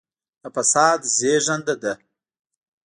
د فساد زېږنده ده.